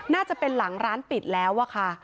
น่าจะเป็นหลังร้านปิดแล้วอะค่ะ